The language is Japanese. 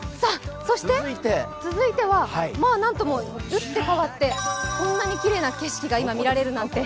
続いては、まあなんとも打って変わってこんなきれいな景色が見られるなんて。